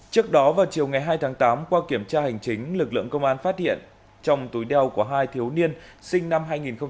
trước đó vào chiều ngày hai tháng tám qua kiểm tra hành chính lực lượng công an phát hiện trong túi đeo của hai thiếu niên sinh năm hai nghìn một mươi ba